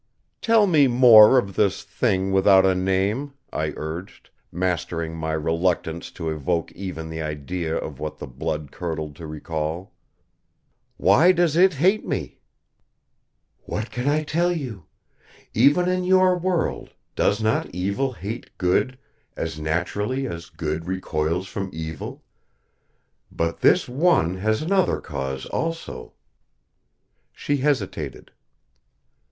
"Tell me more of this Thing without a name," I urged, mastering my reluctance to evoke even the idea of what the blood curdled to recall. "Why does It hate me?" "What can I tell you? Even in your world, does not evil hate good as naturally as good recoils from evil? But this One has another cause also!" She hesitated.